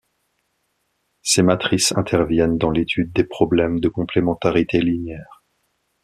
Ces matrices interviennent dans l'étude des problèmes de complémentarité linéaire.